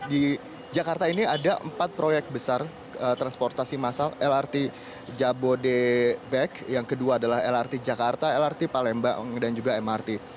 di jakarta ini ada empat proyek besar transportasi massal lrt jabodebek yang kedua adalah lrt jakarta lrt palembang dan juga mrt